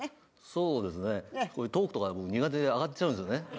そうですねこういうトークとかも苦手でアガっちゃうんですよね。